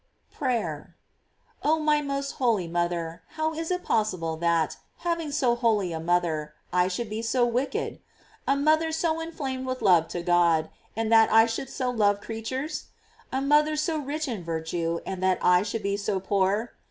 PRAYER. Oh, my most holy mother, how is it possible that, having so holy a mother, I should be so wicked? A mother so inflamed with love to God, and that I should so love creatures? A mother so rich in virtue, and that I should be so poor?